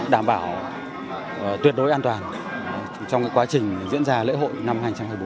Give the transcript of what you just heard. đảm bảo tuyệt đối an toàn trong quá trình diễn ra lễ hội năm hai nghìn hai mươi bốn